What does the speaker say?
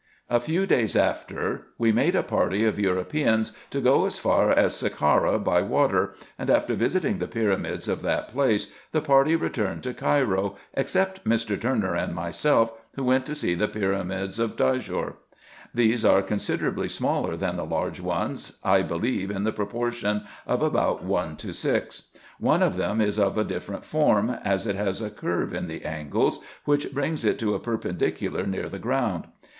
A few days after we made a party of Europeans, to go as far as Sacara by water, and after visiting the pyramids of that place, the party returned to Cairo, except Mr. Turner and myself, who went to see the pyramids of Dajior. These are considerably smaller than the large ones, I believe in the proportion of about one to six. One of them is of a different form, as it has a curve in the angles, which brings it to a perpendicular near the ground.